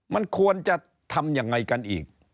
มันควรจะทำยังไงกันอีก